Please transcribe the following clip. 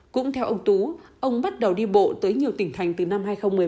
cũng theo ông tú ông bắt đầu đi bộ tới nhiều tỉnh thành từ năm hai nghìn một mươi năm